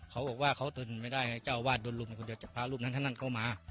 เขาบอกว่าเขาตื่นไม่ได้เจ้าวาดโดนลุมพระรูปนั้นเข้ามา